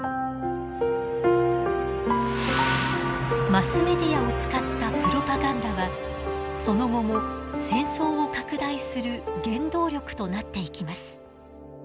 マスメディアを使ったプロパガンダはその後も戦争を拡大する原動力となっていきます。